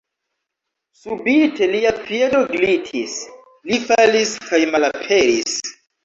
Subite lia piedo glitis; li falis kaj malaperis.